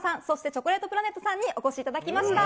チョコレートプラネットさんにお越しいただきました。